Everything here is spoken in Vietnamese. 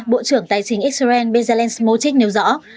bộ trưởng tài chính israel bezalel smotik nêu rõ